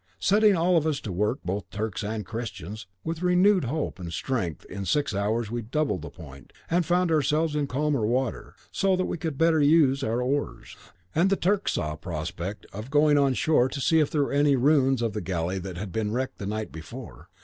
Setting all of us to work, both Turks and Christians, with renewed hope and strength, in six hours we doubled the point, and found ourselves in calmer water, so that we could better use our oars; and the Turks saw a prospect of going on shore to see if there were any remains of the galley that had been wrecked the night before.